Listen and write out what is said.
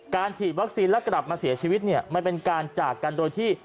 ฉีดวัคซีนแล้วกลับมาเสียชีวิตเนี่ยมันเป็นการจากกันโดยที่